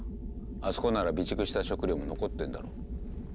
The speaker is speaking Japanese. あそこなら備蓄した食料も残ってんだろ。